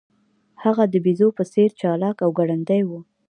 هغه د بیزو په څیر چلاک او ګړندی و.